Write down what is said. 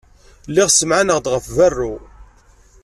Lliɣ ssemɛaneɣ-d ɣef berru.